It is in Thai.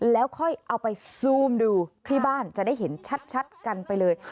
แล้วค่อยเอาไปซูมดูที่บ้านจะได้เห็นชัดกันไปเลย